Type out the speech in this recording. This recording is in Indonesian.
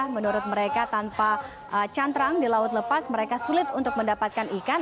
menurut mereka tanpa cantrang di laut lepas mereka sulit untuk mendapatkan ikan